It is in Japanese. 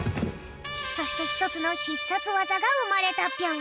そしてひとつのひっさつわざがうまれたぴょん。